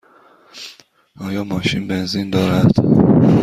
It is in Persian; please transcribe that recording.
آیا ماشین بنزین دارد؟